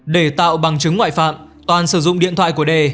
để tạo bằng chứng ngoại phạm toàn sử dụng điện thoại của đề